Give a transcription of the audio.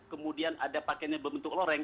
kemudian ada pakaian yang berbentuk loreng